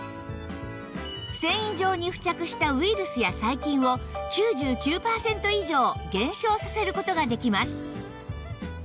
繊維上に付着したウイルスや細菌を９９パーセント以上減少させる事ができます